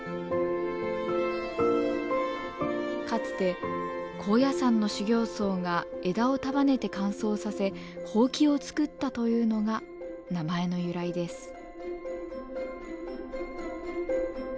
かつて高野山の修行僧が枝を束ねて乾燥させほうきを作ったというのが名前の由来です。